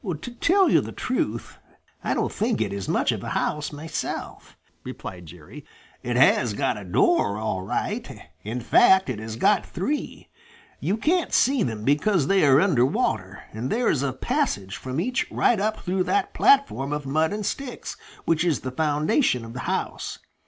"To tell you the truth, I don't think it is much of a house myself," replied Jerry. "It has got a door, all right. In fact, it has got three. You can't see them because they are under water, and there is a passage from each right up through that platform of mud and sticks, which is the foundation of the house.